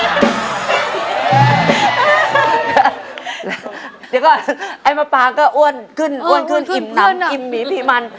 เดี๋ยวก่อนไอ้มะปางก็อ้วนขึ้นอิ่มน้ำอิ่มหมีพี่มัน